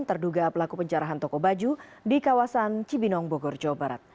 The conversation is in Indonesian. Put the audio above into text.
terduga pelaku penjarahan toko baju di kawasan cibinong bogor jawa barat